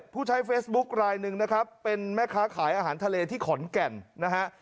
ผู้ใช้เฟซบุ๊คลายหนึ่งนะครับเป็นแม่ค้าขายอาหารทะเลที่ขอนแก่นนะฮะ